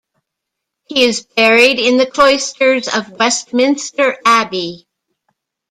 He is buried in the cloisters of Westminster Abbey.